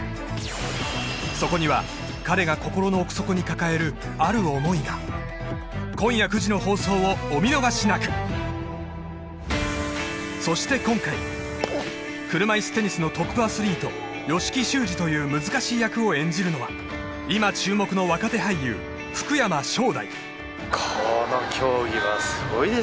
そこには彼が心の奥底に抱えるある思いが今夜９時の放送をお見逃しなくそして今回車いすテニスのトップアスリート吉木修二という難しい役を演じるのは今注目の若手俳優福山翔